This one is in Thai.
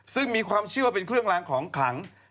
ซึ่งมีความเชื่อว่าเป็นเครื่องล้างของขลัง